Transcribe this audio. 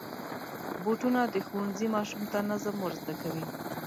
بوټونه د ښوونځي ماشوم ته نظم ور زده کوي.